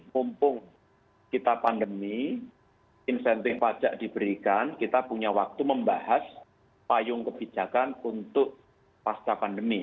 mumpung kita pandemi insentif pajak diberikan kita punya waktu membahas payung kebijakan untuk pasca pandemi